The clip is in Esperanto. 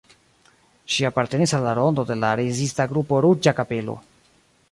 Ŝi apartenis al la rondo de la rezista grupo "Ruĝa Kapelo".